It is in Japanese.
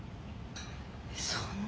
そんな。